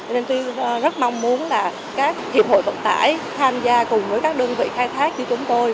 nên tôi rất mong muốn là các hiệp hội vận tải tham gia cùng với các đơn vị khai thác như chúng tôi